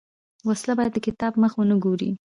وسله باید د کتاب مخ ونه ګوري